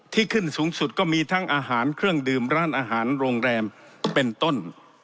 ขึ้นสูงสุดก็มีทั้งอาหารเครื่องดื่มร้านอาหารโรงแรมเป็นต้น